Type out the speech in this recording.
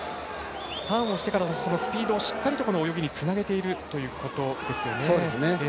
ターンをしてから、スピードをしっかり泳ぎにつなげているということです。